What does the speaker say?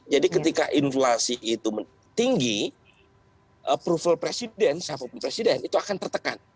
jadi ketika inflasi itu tinggi approval presiden siapapun presiden itu akan tertekan